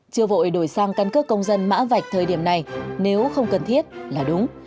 chưa vội đổi sang căn cước công dân mã vạch thời điểm này nếu không cần thiết là đúng